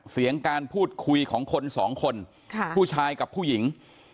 เสียงการพูดคุยของคนสองคนผู้ชายกับผู้หญิง